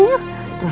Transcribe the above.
rasa aku tidak enak